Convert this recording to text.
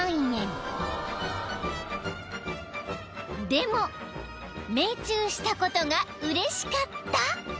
［でも命中したことがうれしかった］